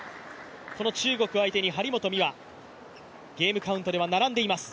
この中国相手に張本美和、ゲームカウントでは並んでいます。